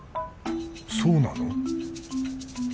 そうなの？